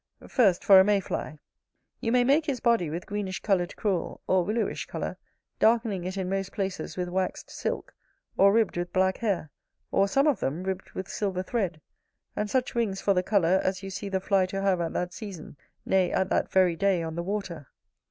First for a Mayfly: you may make his body with greenish coloured crewel, or willowish colour; darkening it in most places with waxed silk; or ribbed with black hair; or, some of them, ribbed with silver thread; and such wings, for the colour, as you see the fly to have at that season, nay, at that very day on the water.